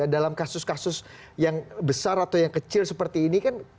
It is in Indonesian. dalam kasus kasus yang besar atau yang kecil seperti ini kan